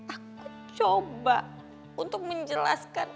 aku coba untuk menjelaskan